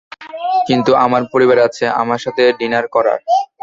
কিন্তু আমার পরিবারের আছে, আমার সাথে ডিনার করার।